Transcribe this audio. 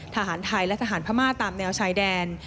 ทหารไทยและทหารพม่าตามแนวชายแดน